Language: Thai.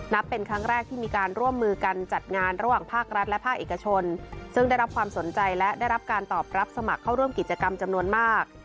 เป็นครั้งแรกที่มีการร่วมมือกันจัดงานระหว่างภาครัฐและภาคเอกชนซึ่งได้รับความสนใจและได้รับการตอบรับสมัครเข้าร่วมกิจกรรมจำนวนมาก